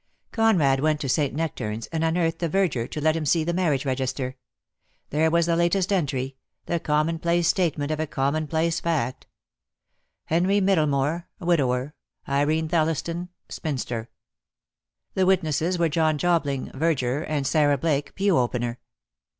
Conrad went to St. Nectern's, and unearthed a verger, who let him see the marriage register. There was the latest entry, the commonplace statement of a commonplace fact. "Henry Middlemore, widower. Irene Thelliston, spinster." The witnesses were John Jobling, verger, and Sarah Blake, pew opener.